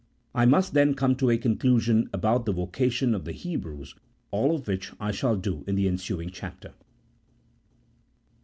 I must then come to a conclu sion about the vocation of the Hebrews, all of which I shall do in the ensuing chapter.